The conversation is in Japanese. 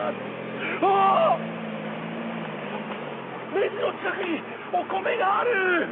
レジの近くにお米がある！